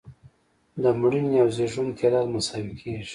د مړینې او زیږون تعداد مساوي کیږي.